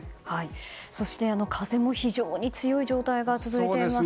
そして風も非常に強い状態が続いています。